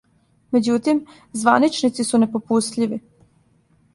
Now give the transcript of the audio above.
Међутим, званичници су непопустљиви.